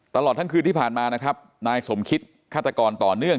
ตลอดทั้งคืนที่ผ่านมานะครับนายสมคิตฆาตกรต่อเนื่อง